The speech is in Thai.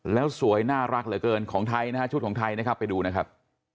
แล้วสวยน่ารักเหลือเกินของไทยนะฮะชุดของไทยนะครับไปดูนะครับ